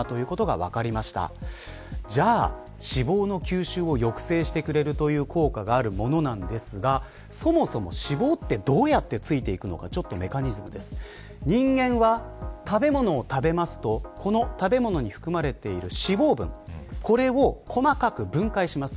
脂肪の吸収を抑制してくれる効果があるものですがそもそも脂肪ってどうやってついていくのかメカニズムについてです。人間は食べ物を食べると食べ物に含まれている脂肪分これを細かく分解します。